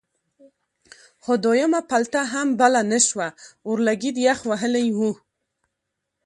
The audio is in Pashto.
خو دویمه پلته هم بله نه شوه اورلګید یخ وهلی و.